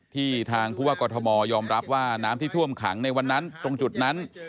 ทางผู้ว่ากรทมยอมรับว่าน้ำที่ท่วมขังในวันนั้นตรงจุดนั้น